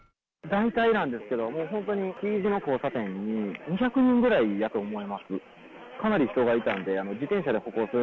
大体なんですけど、もう本当に、Ｔ字の交差点に、２００人ぐらいやと思います。